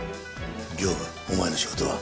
刑部お前の仕事は？